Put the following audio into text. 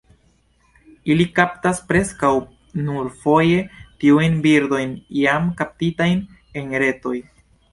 Ili kaptas preskaŭ nur foje tiujn birdojn jam kaptitajn en retoj.